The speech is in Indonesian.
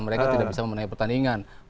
mereka tidak bisa memenangi pertandingan